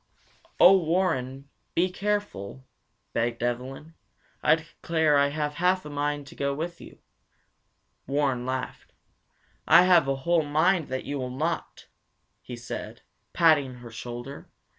"Oh, Warren, be careful, begged Evelyn. I declare I have half a mind to go with you!" Warren laughed. "I have a whole mind that you will not!" he said, patting her shoulder.